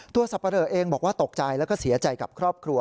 สับปะเลอเองบอกว่าตกใจแล้วก็เสียใจกับครอบครัว